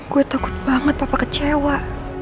gue takut banget papa kecewa